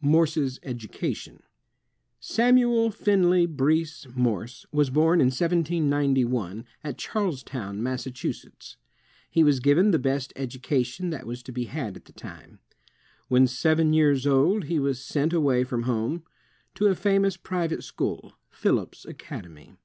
Morse's Education Samuel Finley Breese Morse was born in 1791, at Charlestown, Massachusetts. He was given the best education that was to be had at the time. When seven years old he was sent away from home, to a famous pri vate school, Phillips Academy.